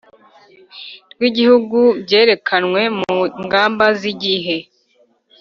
Rw igihugu byerekanwe mu ngamba z igihe